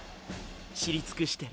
知りつくしてる！